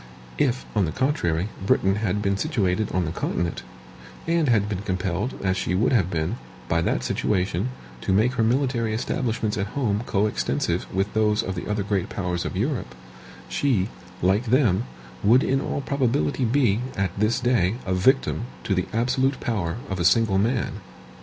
If, on the contrary, Britain had been situated on the continent, and had been compelled, as she would have been, by that situation, to make her military establishments at home coextensive with those of the other great powers of Europe, she, like them, would in all probability be, at this day, a victim to the absolute power of a single man.